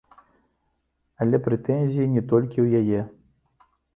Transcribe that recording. Але прэтэнзіі не толькі ў яе.